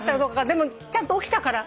でもちゃんと起きたから。